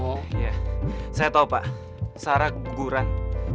oh iya saya tau pak sarah keguguran